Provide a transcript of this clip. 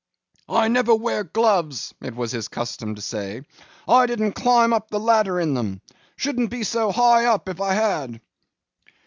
'I never wear gloves,' it was his custom to say. 'I didn't climb up the ladder in them.—Shouldn't be so high up, if I had.